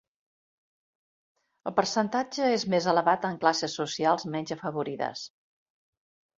El percentatge és més elevat en classes socials menys afavorides.